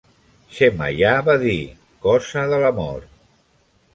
Xemaià va dir: cosa de l'amor.